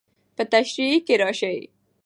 په تشريحي کې راشي.